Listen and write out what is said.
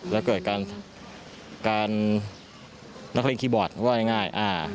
แล้วเกิดการนักเล่นคีบอทก็ง่าย